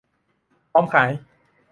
พร้อมขาย